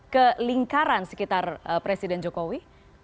ke lingkaran sekitar presiden jokowi